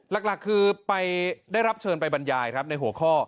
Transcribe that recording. หลักคือไปได้รับเชิญไปบรรยายครับในหัวข้อ